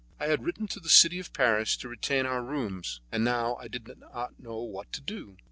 I had written to the City of Paris to retain our rooms, and now I did not know what to do.